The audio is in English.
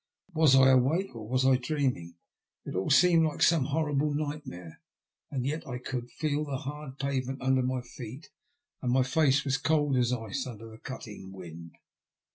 Was I awake, or was I dreaming? It all seemed like some horrible nightmare, and yet I could feel the hard pavement under my feet, and my face was cold as ice under the cutting wind.